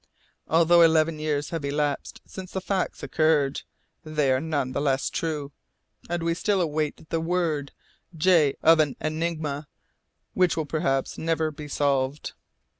Although eleven years have elapsed since the facts occurred, they are none the less true, and we still await the 'word' of an enigma which will perhaps never be solved."